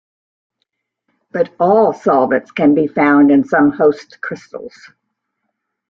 But "all" solvents can be found in some host crystals.